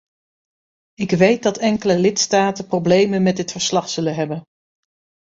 Ik weet dat enkele lidstaten problemen met dit verslag zullen hebben.